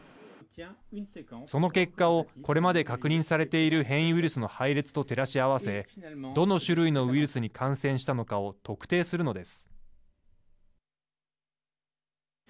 その結果をこれまで確認されている変異ウイルスの配列と照らし合わせどの種類のウイルスに感染したのかを特定するのです。